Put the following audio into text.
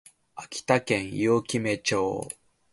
秋田県五城目町